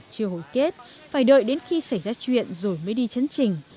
chưa hồi kết phải đợi đến khi xảy ra chuyện rồi mới đi chấn trình